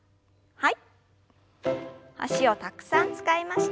はい。